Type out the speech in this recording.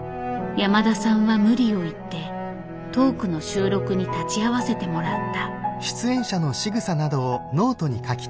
山田さんは無理を言ってトークの収録に立ち会わせてもらった。